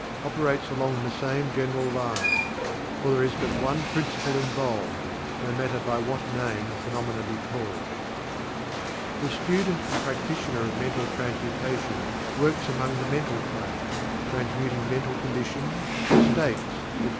operates along the same general lines, for there is but one principle involved, no matter by what name the phenomena be called. The student and practitioner of Mental Transmutation works among the Mental Plane, transmuting mental conditions, states, etc.